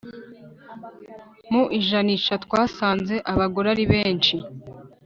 mu ijanisha twasanze abagore aribenshi